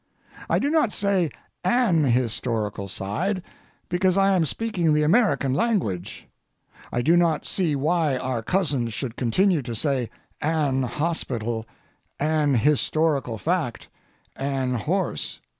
I do not say "an" historical side, because I am speaking the American language. I do not see why our cousins should continue to say "an" hospital, "an" historical fact, "an" horse.